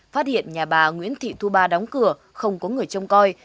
phát hiện nhà bà nguyễn thị thu ba đóng cửa không có người trông coi